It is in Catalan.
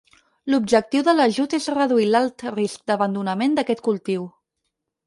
L'objectiu de l'ajut és reduir l'alt risc d'abandonament d'aquest cultiu.